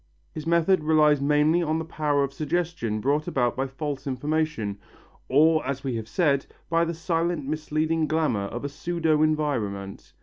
His method relies mainly on the power of suggestion brought about by false information or, as we have said, by the silent misleading glamour of a pseudo environment.